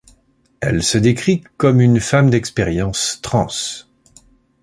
Elle se décrit comme une femme d'expérience trans.